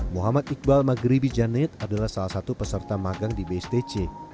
muhammad iqbal maghribi janet adalah salah satu peserta magang di bstc